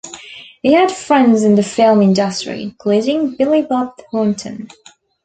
He had friends in the film industry, including Billy Bob Thornton.